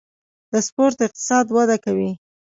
د سپورت اقتصاد وده کوي